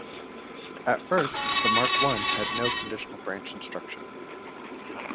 At first, the Mark One had no conditional branch instruction.